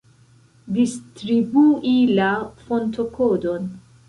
Distribui la fontokodon.